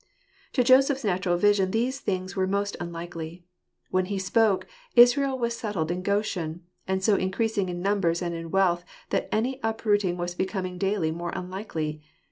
To Joseph's natural vision these things were most unlikely. When he spoke, Israel was settled in Goshen, and so increasing in numbers and in wealth that any uprooting was becoming daily more unlikely.